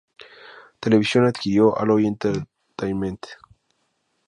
Television adquirió Alloy Entertainment.